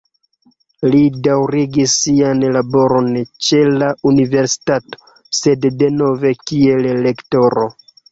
Li daŭrigis sian laboron ĉe la universitato, sed denove kiel lektoro.